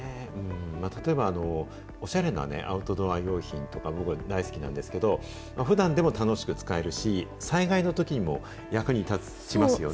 例えば、おしゃれなアウトドア用品とか、僕、大好きなんですけど、ふだんでも楽しく使えるし、災害のときにも役に立ちますよね。